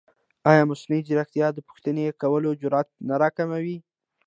ایا مصنوعي ځیرکتیا د پوښتنې کولو جرئت نه راکموي؟